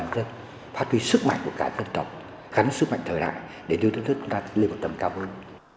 dân phát huy sức mạnh của cả dân tộc gắn sức mạnh thời đại để đưa đất nước chúng ta lên một tầm cao hơn